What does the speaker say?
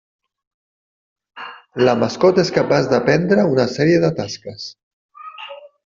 La mascota és capaç d'aprendre una sèrie de tasques.